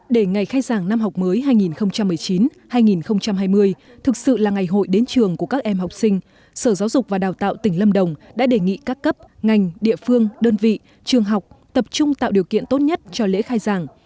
để ngày khai giảng năm học mới hai nghìn một mươi chín hai nghìn hai mươi thực sự là ngày hội đến trường của các em học sinh sở giáo dục và đào tạo tỉnh lâm đồng đã đề nghị các cấp ngành địa phương đơn vị trường học tập trung tạo điều kiện tốt nhất cho lễ khai giảng